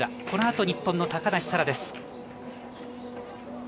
この後、日本の高梨沙羅です。